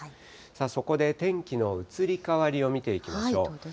そこで天気の移り変わりを見ていどうでしょう。